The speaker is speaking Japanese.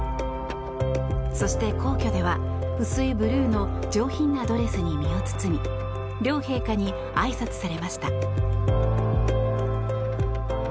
そして、皇居では薄いブルーの上品なドレスに身を包み両陛下にあいさつされました。